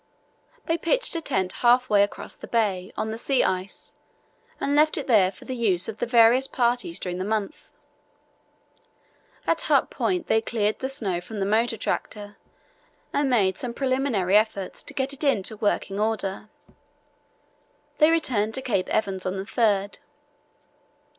They pitched a tent half way across the bay, on the sea ice, and left it there for the use of the various parties during the month. At Hut Point they cleared the snow from the motor tractor and made some preliminary efforts to get it into working order. They returned to Cape Evans on the 3rd.